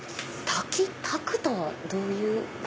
炊くとはどういう？